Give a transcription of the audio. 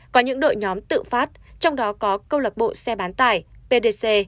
có những đội nhóm tự phát trong đó có câu lạc bộ xe bán tải pdc